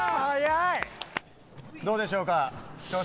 どうでしょうか。